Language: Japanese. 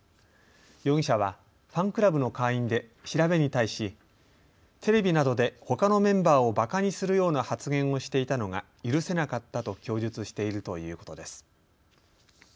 容疑者はファンクラブの会員で調べに対しテレビなどでほかのメンバーをばかにするような発言をしていたのが許せなかったと供述しているということです。